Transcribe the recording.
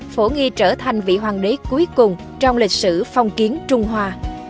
phổ nghi trở thành vị hoàng đế cuối cùng trong lịch sử phong kiến trung hoa